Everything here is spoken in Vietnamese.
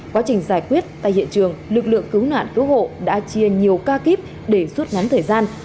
quá trình giải quyết tại hiện trường lực lượng cứu nạn cứu hộ đã chia nhiều ca kíp để rút ngắn thời gian